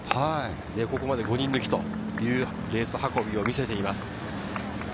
ここまで５人抜きというレース運びを見せています。